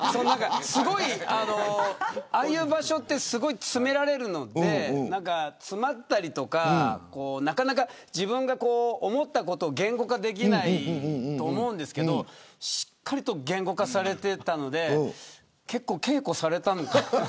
ああいう場所はすごい詰められるので何か詰まったりとか自分が思ったことを言語化できないと思うんですけどしっかりと言語化されていたので結構、稽古されたのかなと。